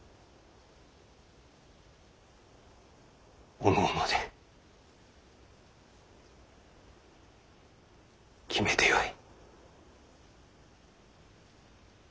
おのおので決めてよい。